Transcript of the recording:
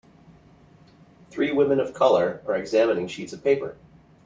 Three women of color are examining sheets of paper.